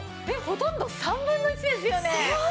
ほとんど３分の１ですよね？